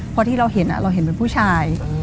พอที่เราเห็นเราเห็นเป็นผู้ชาย